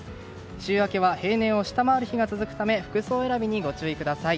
週明けは平年を下回る日が続くため服装選びにご注意ください。